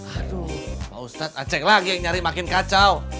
aduh pak ustadz acek lagi yang nyari makin kacau